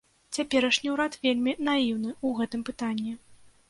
Цяперашні ўрад вельмі наіўны ў гэтым пытанні.